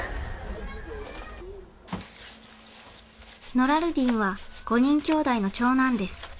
ノラルディンは５人きょうだいの長男です。